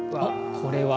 これは。